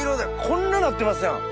こんななってますやん！